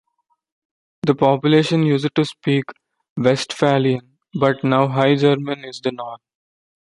The population used to speak Westphalian, but now High German is the norm.